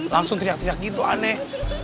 langsung teriak teriak gitu aneh